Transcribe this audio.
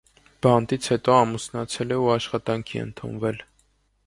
Բանտից հետո ամուսնացել է ու աշխատանքի ընդունվել։